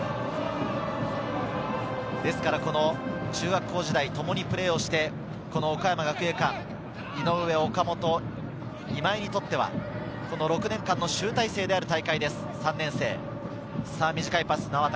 中学校時代をともにプレーして岡山学芸館、井上、岡本、今井にとっては、６年間の集大成である戦いです、３年生。